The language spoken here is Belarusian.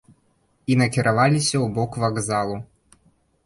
І накіраваліся ў бок вакзалу.